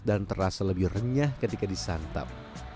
dan terasa lebih renyah ketika disantap